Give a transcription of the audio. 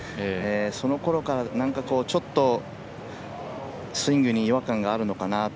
そのころから、スイングにちょっと違和感があるのかなと。